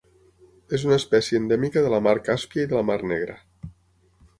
És una espècie endèmica de la Mar Càspia i de la Mar Negra.